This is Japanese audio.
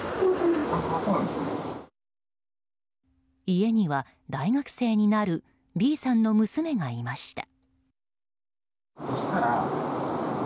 家には大学生になるＢさんの娘がいました。